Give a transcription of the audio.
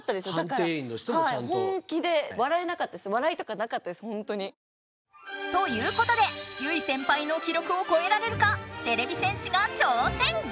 本気で笑えなかったです。ということで結実先輩の記録をこえられるかてれび戦士が挑戦！